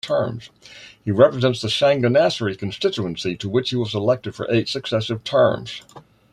He represents the Changanassery constituency to which he was elected for eighth successive terms.